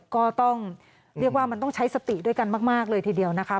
ก็ต้องเรียกว่ามันต้องใช้สติด้วยกันมากเลยทีเดียวนะคะ